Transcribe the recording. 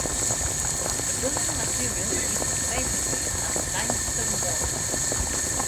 The building material is masonry and limestone mortar.